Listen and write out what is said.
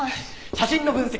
写真の分析